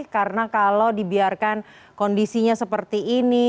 karena kalau dibiarkan kondisinya seperti ini